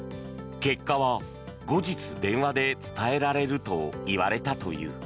結果は後日電話で伝えられるといわれたという。